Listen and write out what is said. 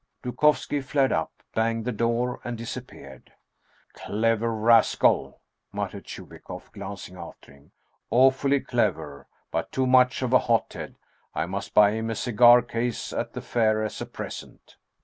Dukovski flared up, banged the door, and disappeared. " Clever rascal !" muttered Chubikoff, glancing after him. " Awfully clever ! But too much of a hothead. I must buy him a cigar case at the fair as a present."